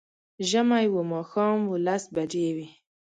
ژمی و، ماښام و، لس بجې وې